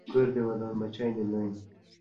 کور دې ودان، بچی دې لوی